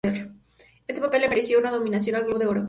Este papel le mereció una nominación al Globo de Oro.